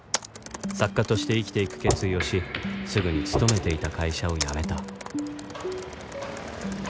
作家として生きていく決意をしすぐに勤めていた会社を辞めた